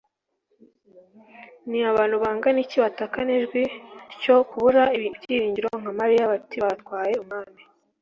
Ni abantu bangana iki batakana ijwi tyo kubura ibyiringiro nka Mariya bati: " Batwaye... Umwami,